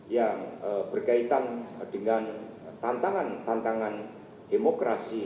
yang berkaitan dengan tantangan tantangan demokrasi